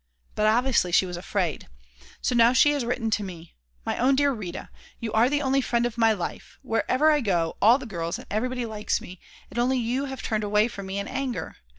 But obviously she was afraid. So now she has written to me: My own dear Rita! You are the only friend of my life; wherever I go, all the girls and everybody likes me, and only you have turned away from me in anger.